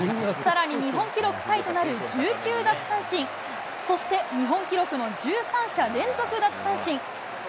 さらに日本記録タイとなる１９奪三振、そして、日本記録の１３者連続奪三振。